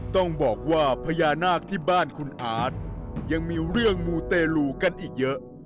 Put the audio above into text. ต้องบอกว่าพญานาคที่บ้านคุณอาร์ตยังมีเรื่องมูเตลูกันอีกเยอะ